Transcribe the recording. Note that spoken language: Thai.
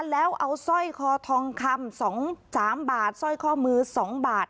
แล้วเอาสร้อยคอทองคำ๒๓บาทสร้อยข้อมือ๒บาท